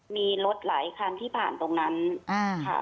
มีรถหลายคันที่ผ่านตรงนั้นค่ะ